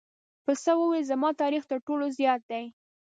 پسه وویل زما تاریخ تر ټولو زیات دی.